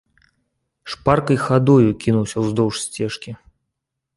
Шпаркай хадою кінуўся ўздоўж сцежкі.